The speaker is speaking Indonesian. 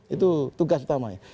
itu tugas utamanya